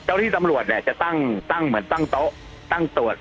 ที่ตำรวจเนี่ยจะตั้งเหมือนตั้งโต๊ะตั้งตรวจ